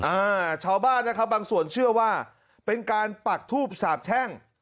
อ่าชาวบ้านนะครับบางส่วนเชื่อว่าเป็นการปักทูบสาบแช่ง